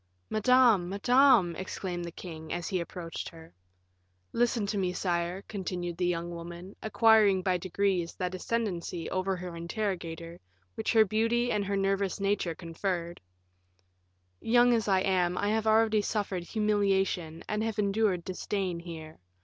"Madame, madame," exclaimed the king, as he approached her. "Listen to me, sire," continued the young woman, acquiring by degrees that ascendency over her interrogator which her beauty and her nervous nature conferred; "young as I am, I have already suffered humiliation, and have endured disdain here.